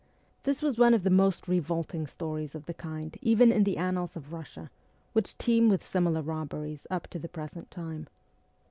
This was one of the most revolting stories of the kind even in the annals of Russia, which teem with similar robberies up to the present time.